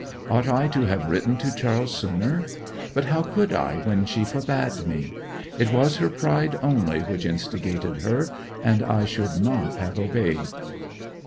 Ought I to have written to Charles sooner? But how could I when she forbade me? It was her pride only which instigated her, and I should not have obeyed.